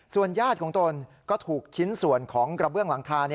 ญาติของตนก็ถูกชิ้นส่วนของกระเบื้องหลังคา